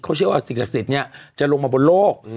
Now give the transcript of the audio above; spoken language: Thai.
เขาเชื่อว่าสิ่งศักดิ์สิทธิ์จะลงมาบนโลก